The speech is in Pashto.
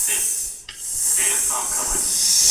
له اسمانه مي راغلی بیرغ غواړم